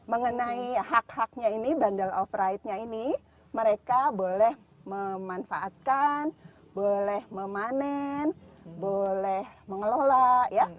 mengenai hak haknya ini bandel off ride nya ini mereka boleh memanfaatkan boleh memanen boleh mengelola ya